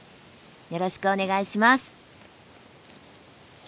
よろしくお願いします！